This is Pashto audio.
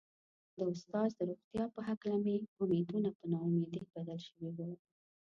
د استاد د روغتيا په هکله مې امېدونه په نا اميدي بدل شوي وو.